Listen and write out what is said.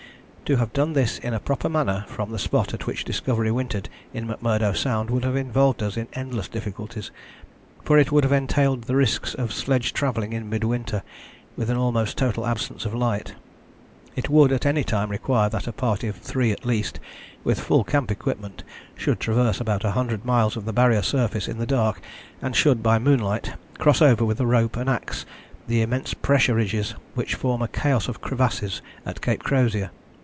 To have done this in a proper manner from the spot at which the Discovery wintered in McMurdo Sound would have involved us in endless difficulties, for it would have entailed the risks of sledge travelling in mid winter with an almost total absence of light. It would at any time require that a party of three at least, with full camp equipment, should traverse about a hundred miles of the Barrier surface in the dark and should, by moonlight, cross over with rope and axe the immense pressure ridges which form a chaos of crevasses at Cape Crozier.